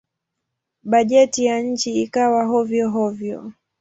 Bajeti ya nchi ikawa hovyo-hovyo.